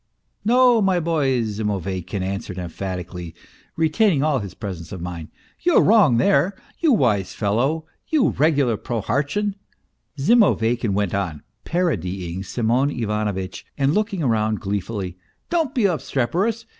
" No, my boy," Zimoveykin answered emphatically, retaining all his presence of mind, " you're wrong there, you \\ise fellow, you regular Prohartchin," Zimoveykin went on, parodying Semyon Ivanovitch and looking round gleefully. " Don't be obstreperous